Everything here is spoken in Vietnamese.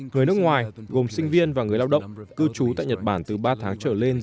người nước ngoài gồm sinh viên và người lao động cư trú tại nhật bản từ ba tháng trở lên